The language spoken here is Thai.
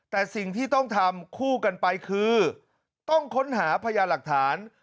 แต่สิ่งที่ต้องทำคู่กันไปคือต้องค้นหาพญาหลักฐาน